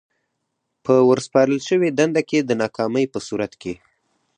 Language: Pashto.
په ورسپارل شوې دنده کې د ناکامۍ په صورت کې.